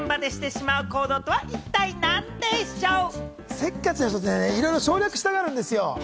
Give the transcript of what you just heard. せっかちな人ってね、いろいろ省略したがるんですよ。